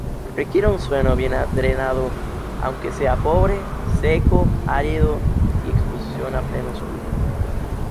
Requiere suelo bien drenado aunque sea pobre, seco, árido, y exposición a pleno sol.